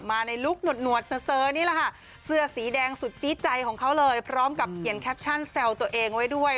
มาในลูกหนวดเสือสีแดงสุดจี้ใจของเขาเลยพร้อมกับเขียนแคปชั่นแซวตัวเองไว้ด้วย